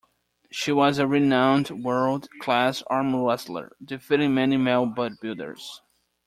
She was a renowned world class arm wrestler, defeating many male bodybuilders.